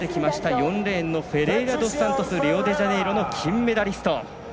４レーンのフェレイラドスサントスリオ五輪の金メダリスト。